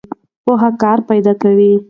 پوهه کار پیدا کوي.